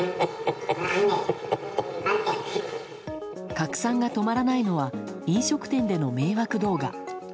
拡散が止まらないのは飲食店での迷惑動画。